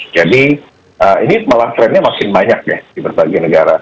jadi ini malah trendnya makin banyak ya di berbagai negara